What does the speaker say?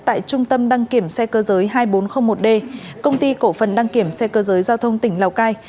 tại trung tâm đăng kiểm xe cơ giới hai nghìn bốn trăm linh một d công ty cổ phần đăng kiểm xe cơ giới giao thông tỉnh lào cai